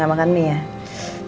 sampai ketemu lagi